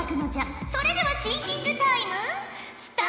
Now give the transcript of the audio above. それではシンキングタイムスタート！